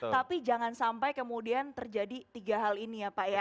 tapi jangan sampai kemudian terjadi tiga hal ini ya pak ya